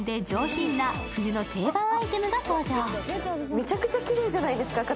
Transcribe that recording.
めちゃくちゃきれいじゃないですか、形。